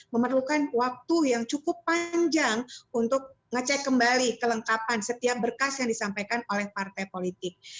memerlukan waktu yang cukup panjang untuk ngecek kembali kelengkapan setiap berkas yang disampaikan oleh partai politik